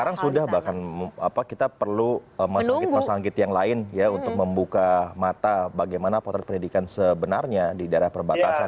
sekarang sudah bahkan kita perlu masyarakat yang lain ya untuk membuka mata bagaimana potret pendidikan sebenarnya di daerah perbatasan